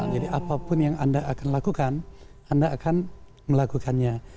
jadi apapun yang anda akan lakukan anda akan melakukannya